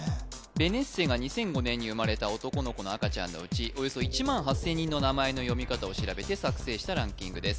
ベネッセが２００５年に生まれた男の子の赤ちゃんのうちおよそ１万８０００人の名前の読み方を調べて作成したランキングです